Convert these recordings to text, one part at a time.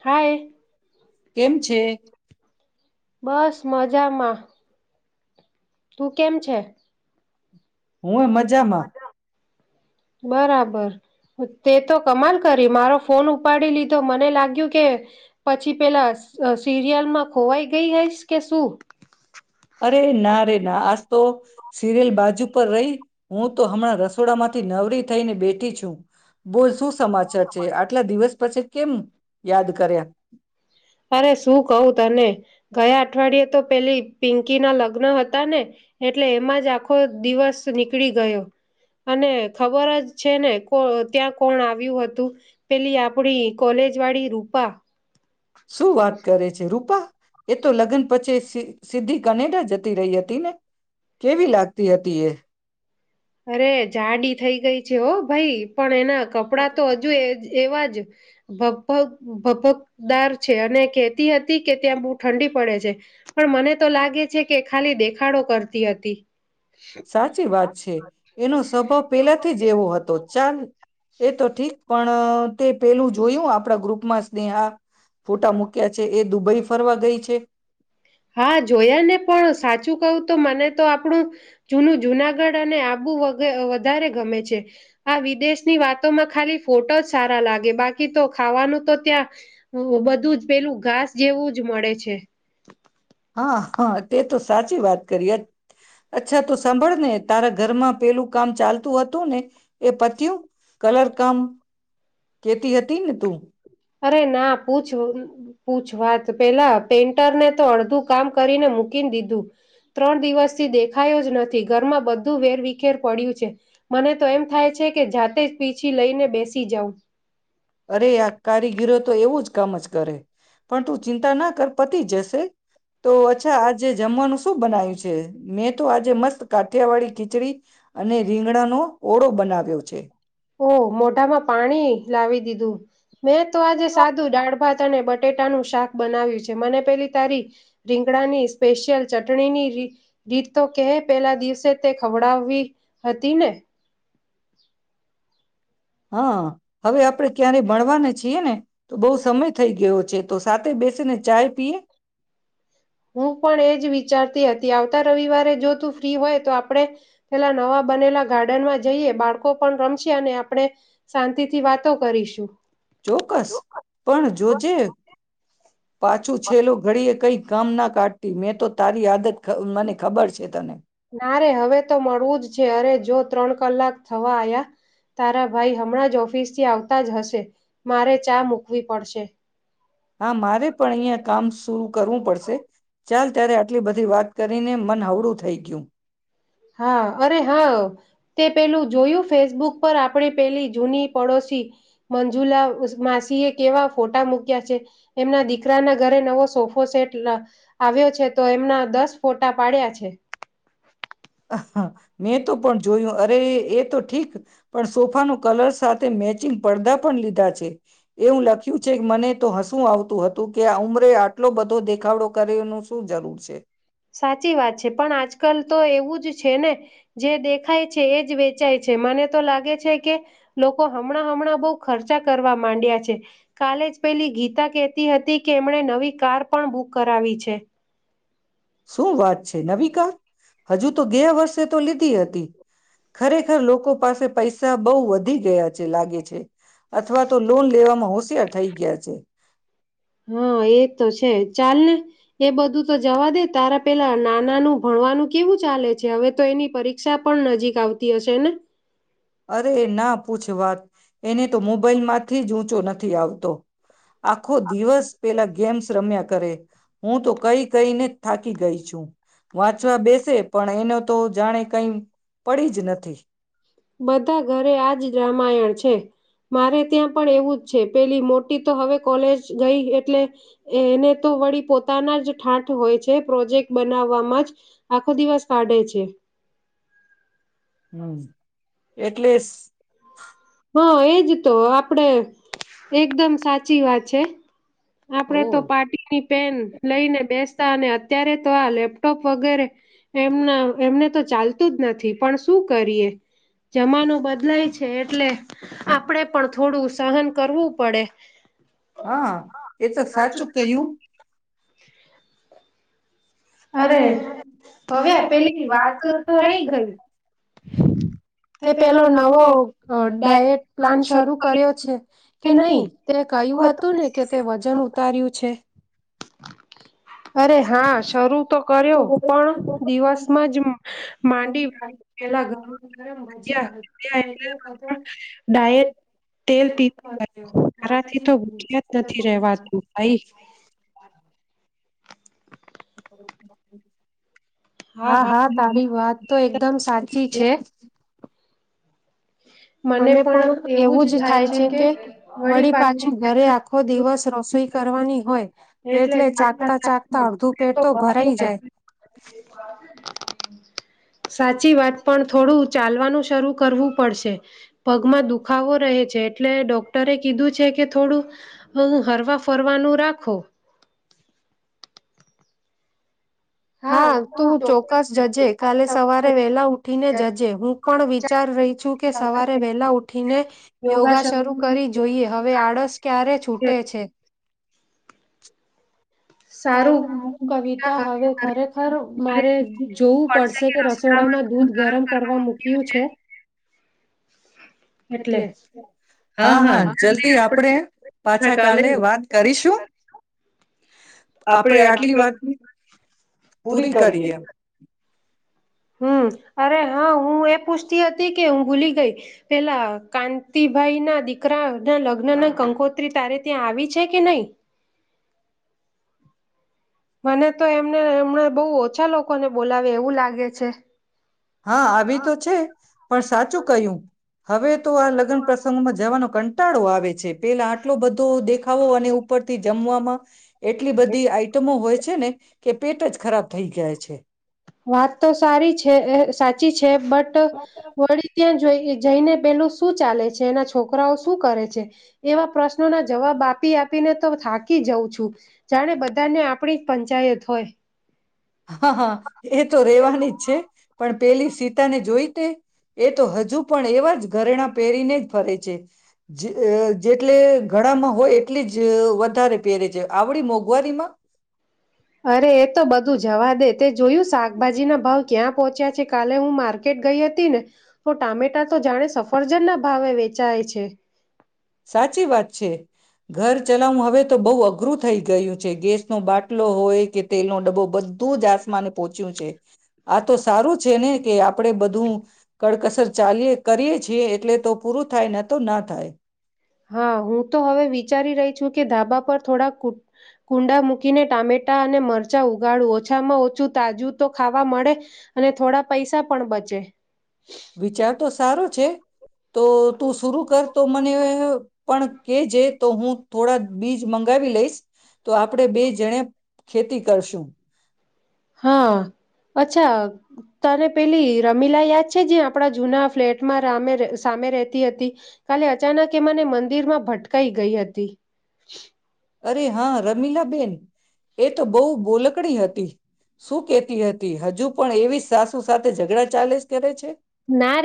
હાય કેમ છે? બસ મજામાં. તું કેમ છે? હું મજામાં. બરાબર, તે તો કમાલ કરી મારો ફોન ઉપાડી લીધો મને લાગ્યું કે પછી પહેલા સીરીયલ માં ખોવાઈ ગઇ હોઈશ છે શું. અરે ના રે ના આજ તો સિરિયલ બાજુ પર રહી હું તો હમણાં રસોડા માંથી નવરી થઈ ને બેઠી છું. બોલ શું સમાચાર છે, આટલા દિવસ પછી કેમ યાદ કર્યા? અરે શું કહું તને ગયા અઠવાડિયે તો પેલી પિંકી ના લગ્ન હતા ને એટલે એમાં જ આખો દિવસ નીકળી ગયો અને ખબર જ છે ને કો ત્યાં કોણ આવ્યું હતું, પેલી આપણી કોલેજ વાળી રૂપા. શું વાત કરે છે રૂપા! એ તો લગન [unintelligible] સીધી કનેડા જતી રહી હતી ને. કેવી લાગતી હતી એ? અરે જાડી થઈ ગઈ છે, હો ભાઈ પણ [unintelligible] કપડા તો હજુ એ એવા જ ભભ ભભકદાર છે અને કતી હતી કે ત્યાં બહુ ઠંડી પડે છે પણ મને તો લાગે છે કે ખાલી દેખાડો કરતી હતી [inaudible] તે એનો સ્વભાવ પેલાથી જ એવો હતો ચાલ એ તો ઠીક પણ તે પેલું જોયું આપડા ગ્રુપ મસ્તે હા ફોટા મુક્યા છે એ દુબઈ ફરવા ગઈ છે હા જોયા ને પણ સાચું કહું તો મને તો આપણું જૂનું જુનાગઢ અને આબુ વધારે ગમે છે, આ વિદેશની વાતોમાં ખાલી ફોટો જ સારા લાગે બાકી તો ખાવાનું તો ત્યાં હા હા તે તો સાચી વાત કરી અ અચ્છા તો સાંભળ ને તારા ઘરમાં પેલું કામ ચાલતું હતું ને એ પતયું? કલર કામ કેતી હતી ને તું અરે ના પૂછ પૂછ વાત પેલા પેન્ટરને તો અડધું કામ કરીને મૂકી દીધું. ત્રણ દિવસથી દેખાયો જ નથી. ઘરમાં બધું વેરવિખેર પડ્યું છે., મને તો એમ થાય છે, કે જાતે જ પીછી લઈને બેસી જઉં. અરે આ કારીગીરો તો એવું જ કામ જ કરે પણ તું ચિંતા ના કર પતી જશે તો અચ્છા આજે જમવાનું શું બનાય્યું છે? મેં તો આજે મસ્ત કાઠિયા વાળી ખીચડી. અને રીંગડાનો ઓળો બનાવ્યો છે. ઓહ મોઢામાં પાણી લાવી દીધું મેં તો આજે સાદું ડાળ ભાત અને બટેટાનું શાક બનાવ્યું છે મને પેલી તારી રીંગડાની સ્પેશિયલ ચટણીની રીત તો કહે પહેલા દિવસે તે ખવડાવી હતી ને હા હવે આપડે ક્યારે મળવાને છીએ ને તો બહુ સમય થઈ ગયો છે તો સાથે બેસીને ચાય પીએ હું પણ એજ વિચારતી હતી આવતા રવિવારે જો તું ફ્રી હોય તો આપડે પેલા નવા બનેલા ગાર્ડનમાં જઈએ બાળકો પણ રમશે અને આપણે શાંતિથી વાતો કરીશું ચોક્કસ પણ જોજે પાછું છેલ્લું ઘડીએ કંઈક કામ ના કાઢતી મેં તો તારી આદત મને ખબર છે તને ના રરે હવે તો મળવું જ છે, અરે જો ત્રણ કલાક થવા આયા તારા ભાઈ હમણાં જ ઓફિસ થી આવતા જ હશે મારે ચા મૂકવી પડશે. હા મારે પણ અહિયાં કામ તો કરવું પડશે. ચાલ ત્યારે આટલી બધી વાત કરીને મન હવળું થઈ ગયું. હા અરે હા તે પેલું જોયું ફેસબુક પર આપણી પેલી જૂની પડોશી મંજુલા માસી એ કેવા ફોટા મૂક્યા છે. એમના દીકરાના ઘરે નવો સોફો સેટ આવ્યો છે તો એમના દસ ફોટા પાડ્યા છે. હા, મેં તો પણ જોયું. અરે એ તો ઠીક પણ સોફાનો કલર સાથે મેચિંગ પડદા પણ લીધા છે. એવું લખ્યું છે કે મને તો હસવુ આવતું હતું કે આ ઉમરે આટલો બધો દેખાવડો કરે એનું શું જરૂર છે. સાચી વાત છે, પણ આજકાલ તો એવું જ છે ને જે દેખાય છે એ જ વેચાય છે, મને તો લાગે છે કે લોકો હમણાં હમણાં બહુ ખર્ચા કરવા માંડ્યા છે. કાલે જ પેલી ગીતા કહેતી હતી કે એમણે નવી કાર પણ બુક કરાવી છે. શું વાત છે નવી કાર હજુ તો ગયે વર્ષે તો લીધી હતી. ખરેખર લોકો પાસે પૈસા બહું વધી ગયા છે, લાગે છે અથવા તો લોન લેવામાં હોશિયાર થઈ ગયા છે. હા એ તો છે ચાલ ને એ બધું તો જવા દે તારા પેલા નાનાનું ભણવાનું કેવું ચાલે છે હવે તો એની પરીક્ષા પણ નજીક આવતી હશે ને. અરે ના પૂછ વાત એને તો મોબાઈલમાંથી જ ઊંચો નથી આવતો. આખો દિવસ પેલા ગેમ્સ રમ્યા કરે હું તો કઈ કઈને થાકી ગઈ છું વાંચવા બેસે પણ એને તો જાણે કઈ પડી જ નથી. બધા ઘરે આજ રામાયણ છે મારે ત્યાં પણ એવું જ છે પેલી મોટી તો હવે કોલેજ ગઈ એટલે એને તો વળી પોતાના જ ઠાંઠ હોય છે. પ્રોજેક્ટ બનાવવામાં જ આખો દિવસ કાઢે છે. હું એટલે સ હ એજ તો આપડે એકદમ સાચી વાત છે. આપડે ઓ તો પાટીની પેન લઈને બેસ્ટ તાને અત્યારે તો આ લેપટોપ વગેરે એમના એમને તો ચાલતું જ નથી. પણ શું કરીએ. જમાનો બદલાય છે, એટલે આપડે પણ થોડું સહન કરવું પડે. હા, એ તો સાચું કયું. અરે, હવે પેલી વાતો તો રહી ગઈ. [unintelligible] તે પેલો નવો અ ડાયટ પ્લાન શરૂ કર્યો છે કે નહી? તે કહ્યું હતું ને કે તે વજન ઉતાર્યું છે. અરે હા, શરૂ તો જમવામાં કર્યો પણ ગોળના તો દિવાળી દિવસમાં જ માંડી પેલા ઘર [unintelligible] ડાયટ તેલ પી મારાથી તો ભૂખ્યા જ નથી રેવાતું ભાઈ [unintelligible] [unintelligible] [unintelligible] હા, હા, તારી વાત તો એકદમ સાચી છે. અને પણ એવું જ થાય છે કે વળી પાછું ઘરે આ ખો દિવસ રસોઈ કરવાની હોય એટલે [unintelligible] ચાખતા ચાખતા અડધું પેટ તો ભરાઈ જાય [unintelligible] સાચી વાત પણ થોડું ચાલવાનું શરૂ કરવું પડશે. પગમાં દુખાવો રહે છે, એટલે ડોક ક્ટરે કીધું છે કે થોડું બહું હરવા ફરવાનું રાખો. હા, તું ચોક્કસ જજે. કાલે સવારે વેલા ઉઠીને જજે. હું પણ વિચાર રહી છું કે સવારે વેલા ઉઠીને યોગા શરૂ કરી જોઈએ. હવે આળસ ક્યારે છૂટે છે. સારું હું કવિતા હવે ખરેખર મારે જોવું પડશે કે રસોડામાં દૂધ ગરમ કરવા મૂક્યું છે, એટલે હા હા જલ્દી આપડે પાછા કાલે વાત કરીશું. આપડે આટલી વાત પૂરી કરીએ. હમ. અરે હા હું એ પુસ્તિ હતી કે હું ભૂલી ગઈ. પેલા કાંતિભાઈના દીકરા અ ના લગ્નના કંકોત્રી તારે ત્યાં આવી છે કે નહી? મને તો એમને એમણે બહુ ઓછા લોકોને બોલાવે એવું લાગે છે. હા, આવી તો છે, પણ સાચું કહ્યું. હવે તો આ લગન પ્રસંગોમાં જવાનો કંટાળો આવે છે. પેલા આટલો બધો દેખાવો અને ઉપરથી જમવામાં એટલી બધી આઈટમો હોય છે ને કે પેટ જ ખરાબ થઇ ગાય છે. પ છે વાત તો સારી છે સાચી છે છે બટ વળી ત્યાં જઈને પેલું શું ચાલે છે એના છોકરાઓ શું કરે છે એવા પ્રશ્નોના જવાબ આપી આપીને તો થાકી જાઉં છું જાણે બધાને આપણી પંચાયત હોય હા હા એ તો રેવાની જ છે પણ પેલી સીતા ને જોઈ તે એ તો હજુ પણ એ ઘરેણા પહેરીને જ ફરે છે જે જેટલે ઘણામાં હોય એટલી જ વધારે પહેરે છે આવડી મોંઘવારીમાં અરે એ તો બધું જવા દે તે જોયું શાકભાજી ના ભાવ ક્યાં પહોંચ્યા છે કાલે હું માર્કેટ ટ ગઈ હતી ને તો ટામેટા તો જાણે સફરજન ના ભાવે વેચાય છે. સાચી વાત છે ઘર ચલાવું હવે તો બહુ અધ અઘરું થઈ ગયું છે ગેસ નો બાટલો હોય કે તેલનો ડબ્બો બધું જ આસમાને પોહોચ્યું છે. આ તો સારું છે ને કે આપણેે બધું કડકસર ચાલીએ કરીએ છીએ એટલે તો પૂરું થાય ને તો ના થાય હા હું તો હવે વિચારી રહી છું કે ધાબા પર થોડા કુંડા મૂકીને ટામેટા અને મરચાં ઉગાડું ઓછામાં ઓછું તાજું તો ખાવા મળે અને થોડા પૈસા પણ બચે વિચાર તો સારો છે તો તું શરુ કર તો મને પણ કેજે તો હું થોડા બીજ મંગાવી લઈશ તો આપડે બે જણે ખેતી કરશું હા અચ્છા તને પેલી રમીલા યાદ છે જે આપણા જૂના ફ્લેટમાં રામે સામે રતી હતી કાલે અચાનક એ મને મંદિર માં ભટકાઈ ગઈ હતી અરે હા રમીલાબેન એ તો બહુ બોલકણી હતી શું કેતી હતી હજુ પણ એવી સાસુ સાથે ઝઘડા ચાલે જ કરે છે. ના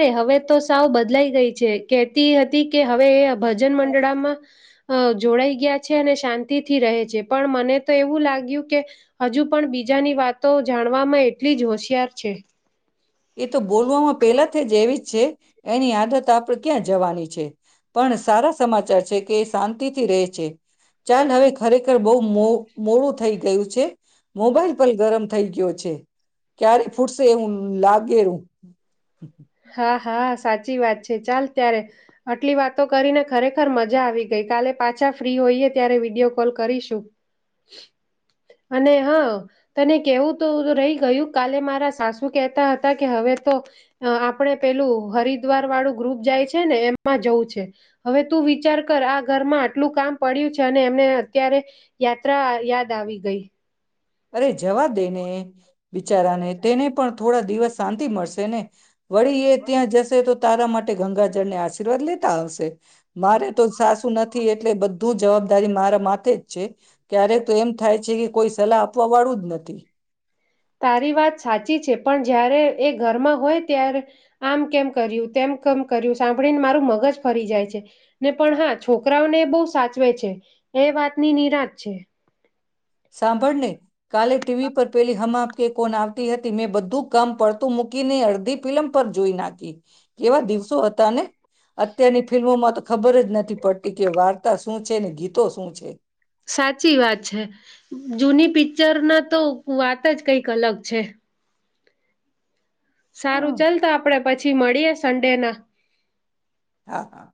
કતી હતી કે હવે ભજન મંડળામાં અ જોડાઈ ગયા છે અને શાંતિથી રહે છે પણ મને તો એવું લાગ્યું કે હજુ પણ બીજાની વાતો જાણવામાં એટલી જ હોશિયાર છે. એ તો બોલવામાં પહેલાથી જ એવી જ છે એની આદત આપણે ક્યાં જવાની છે પણ સારા સમાચાર છે કે શાંતિ થી રહે છે ચાંદ હવે ખરેખર બહુ મૂ મોડું થઈ ગયું છે મોબાઈલ પર ગરમ થઈ ગયો છે ક્યારે ફૂટશે હું લાગ ઘેરું હા હા સાચી વાત છે ચાલ ત્યારે આટલી વાતો કરીને ખરેખર મજા આવી ગઈ કાલે પાછા ફ્રી હોઈએ ત્યારે વિડીયો કોલ કરીશું અને હા તને કેવું તો રહી ગયું કાલે મારા સાસુ કહેતા હતા કે હવે તો આ આપણે પેલું હરિદ્વાર વાળું ગ્રુપ જાય છે ને એમમાં જવું છે હવે તું વિચાર કર આ ઘરમાં આટલું કામ પડ્યું છે અને એમને અત્યારે યાત્રા યાદ આવી ગઈ અરે જવા દેને બિચારાને તેને પણ થોડા દિવસ શાંતિ મળશે ને વળી એ ત્યાં જશે તો તારા માટે ગંગાજળને આશીર્વાદ લેતા આવશે મારે તો સાસું એટલે એટલે બધ તું જવાબદારી મારા માથે જ છે ક્યારેક તો એમ થાય છે કે કોઈ [unintelligible] આપાવાળું જ નથી તારી વાત સાચી છે પણ જ્યારે એ ઘરમાં હોય ત્યારે આમ કેમ કર્યું તેમ કેમ કર્યું સાંભળીને મારું મગજ ફરી જાય છે ને પણ હા છોકરાઓને એ બહુ સાચવે છે એ વાતની નિરાંત છે સાંભળને કાલે ટીવી પર પેલી હમ આપ કે કોન આવતી હતી મેં બધું કામ પડતું મૂકીને અડધી ફિલમ પર જોઈ નાખી કેવા દિવસો હતા ને અત્યારની ફિલ્મોમાં તો ખબર જ નથી પડતી કે વાર્તા શું છે ને ગીત તો શું છે સાચી વાત છે જૂની પિક્ચર ના તો વાત જ કઈક અલગ છે હા સારું ચાલતા આપડે પછી મળીએ સંન્ડે ના હા હા